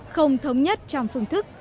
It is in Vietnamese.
không thống nhất trong phương thức